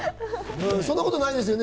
そんなことないですよね？